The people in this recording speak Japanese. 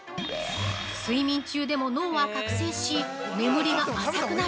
睡眠中でも脳は覚醒し、眠りが浅くなり、